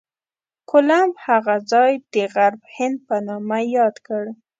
کولمب هغه ځای د غرب هند په نامه یاد کړ.